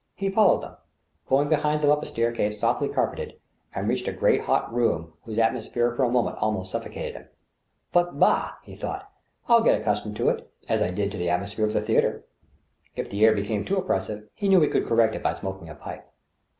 He followed them, going behind them up a staircase softly car peted, and reached a great hot room whose atmosphere for a moment almost suffocated him. " But, bah !" he thought, " Til get accustomed to it, as I did to the atmosphere of the theatre." If the air became too oppressive, he knew he could correct it by smoking a pipe.